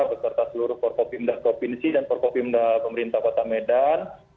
beserta seluruh korpopimda provinsi dan korpopimda pemerintah kota medan